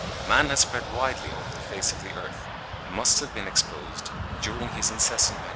Man has spread widely over the face of the earth, and must have been exposed, during his incessant migrations (63.